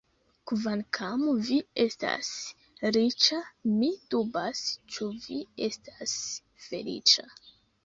Kvankam vi estas riĉa, mi dubas, ĉu vi estas feliĉa.